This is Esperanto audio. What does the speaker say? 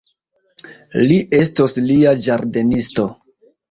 Li estos lia ĝardenisto.